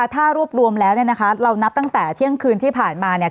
ถ้ารวบรวมแล้วเนี่ยนะคะเรานับตั้งแต่เที่ยงคืนที่ผ่านมาเนี่ย